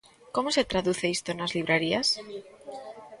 Como se traduce isto nas librarías?